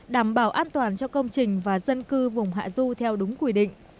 đảm bảo an toàn cho công trình và dân cư vùng hạ du theo đúng quy định